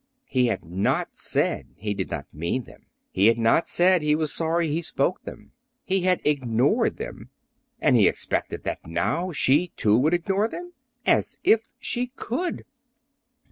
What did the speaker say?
He had not said he did not mean them. He had not said he was sorry he spoke them. He had ignored them; and he expected that now she, too, would ignore them. As if she could!"